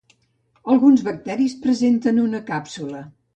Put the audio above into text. Alguns bacteris presenten una càpsula.